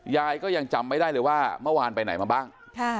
ยายก็ยังจำไม่ได้เลยว่าเมื่อวานไปไหนมาบ้าง